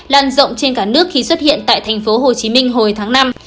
lan rộng trên cả nước khi xuất hiện tại thành phố hồ chí minh hồi tháng năm